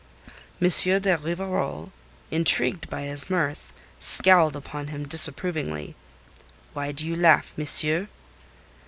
M. de Rivarol, intrigued by his mirth, scowled upon him disapprovingly. "Why do you laugh, monsieur?"